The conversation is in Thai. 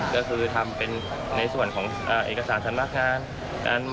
ก็คือทำเป็นในส่วนของเอกสารสำนักงาน